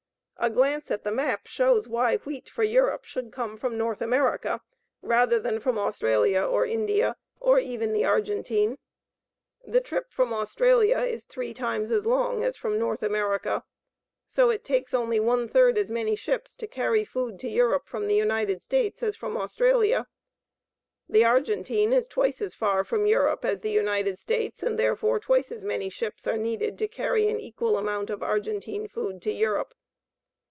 A glance at the map shows why wheat for Europe should come from North America rather than from Australia or India, or even the Argentine. The trip from Australia is three times as long as from North America, so it takes only one third as many ships to carry food to Europe from the United States as from Australia. The Argentine is twice as far from Europe as the United States, and therefore twice as many ships are needed to carry an equal amount of Argentine food to Europe.